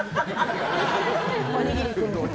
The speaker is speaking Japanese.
おにぎり君。